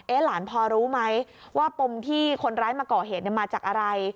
หลานพอรู้ไหมว่าปมที่คนร้ายมาก่อเหตุมาจากอะไร